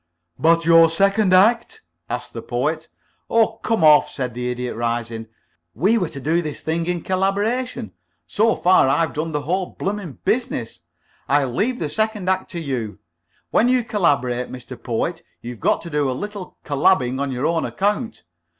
"But your second act?" asked the Poet. "Oh, come off," said the Idiot, rising. "We were to do this thing in collaboration. So far, I've done the whole blooming business. I'll leave the second act to you. When you collaborate, Mr. Poet, you've got to do a little colabbing on your own account.